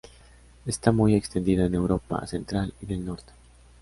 Está muy extendida en Europa Central y del Norte.